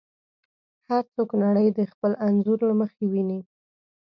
هر څوک نړۍ د خپل انځور له مخې ویني.